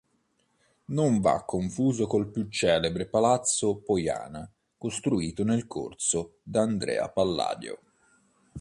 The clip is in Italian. Non va confuso col più celebre Palazzo Pojana costruito sul Corso da Andrea Palladio.